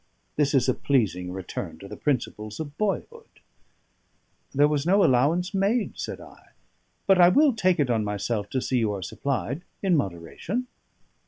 This is a pleasing return to the principles of boyhood." "There was no allowance made," said I; "but I will take it on myself to see you are supplied in moderation."